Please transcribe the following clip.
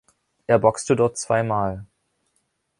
Er boxte dort zweimal.